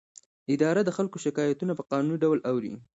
اداره د خلکو شکایتونه په قانوني ډول اوري.